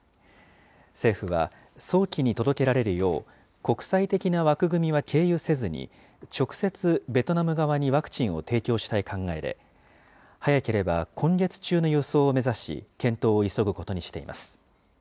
政府は早期に届けられるよう、国際的な枠組みは経由せずに、直接、ベトナム側にワクチンを提供したい考えで、早ければ今月中の輸送を目指し、検討を急ぐことにしています。